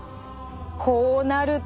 こうなると。